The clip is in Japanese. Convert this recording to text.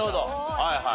はいはい。